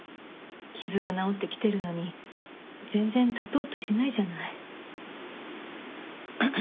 傷は治ってきてるのに全然立とうとしないじゃない。